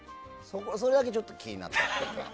それだけちょっと気になった。